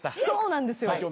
そうなんですよ。